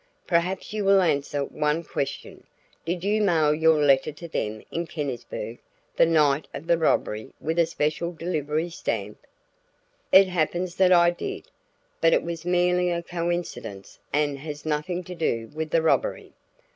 Perhaps you will answer one question. Did you mail your letter to them in Kennisburg the night of the robbery with a special delivery stamp?" "It happens that I did, but it was merely a coincidence and has nothing to do with the robbery."